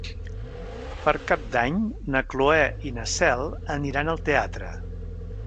Per Cap d'Any na Cloè i na Cel aniran al teatre.